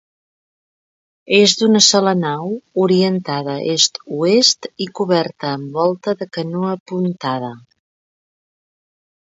És d'una sola nau orientada est-oest i coberta amb volta de canó apuntada.